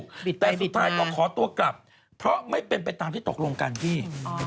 แต่สุดท้ายก็ขอตัวกลับเพราะไม่เป็นไปตามที่ตกลงกันพี่